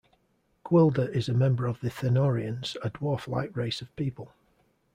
Gwildor is a member of the Thenurians, a dwarf-like race of people.